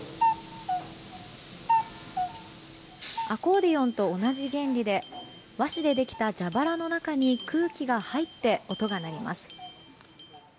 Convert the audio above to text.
アコーディオンと同じ原理で和紙でできた蛇腹の中に空気が入って音が鳴ります。